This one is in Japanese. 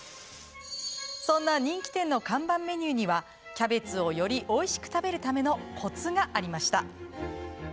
そんな人気店の看板メニューにはキャベツをよりおいしく食べるためのコツがありました。